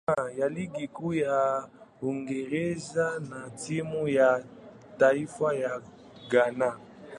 ya Ligi Kuu ya Uingereza na timu ya taifa ya Ghana.